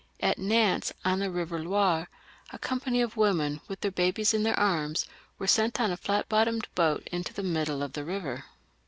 At Nantes, on the river Loire, a company of women, with their babies in their arms, were sent on a flat bottomed boat into the middle of the river.